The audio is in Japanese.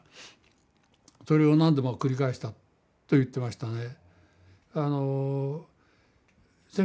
それを何度も繰り返したと言ってましたね。